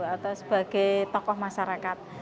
atau sebagai tokoh masyarakat